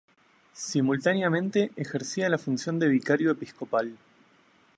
Simultáneamente ejercía la función de vicario episcopal.